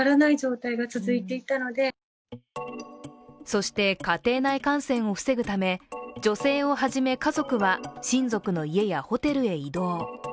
そして家庭内感染を防ぐため女性をはじめ家族は親族の家やホテルへ移動。